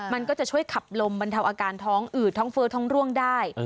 มันก็จะช่วยขับลมบรรเทาอาการท้องอืดท้องเฟ้อท้องร่วงได้